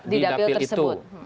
di dapil tersebut